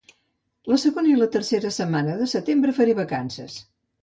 La segona i tercera setmana de setembre faré vacances